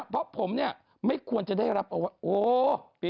เพราะผมเนี่ยไม่ควรจะได้รับเอาไว้